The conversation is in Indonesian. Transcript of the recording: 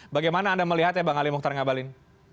bagaimana anda melihat ya bang ali mohtar ngabalin